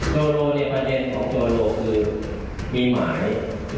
โจโลตรในประเทศของโจโลตรคือมีหมายอีก๒หมาย